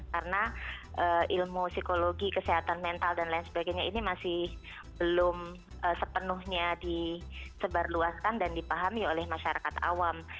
karena ilmu psikologi kesehatan mental dan lain sebagainya ini masih belum sepenuhnya disebarluaskan dan dipahami oleh masyarakat awam